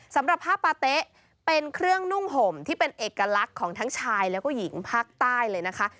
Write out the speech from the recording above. สำหรับผ้าปาเต๊ะเป็นเครื่องนุ่งห่มที่เป็นเอกลักษณ์ของทั้งชายแล้วก็หญิงภาคใต้เลยนะคะ